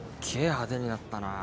派手になったなぁ。